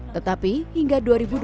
tetapi hingga dua ribu dua puluh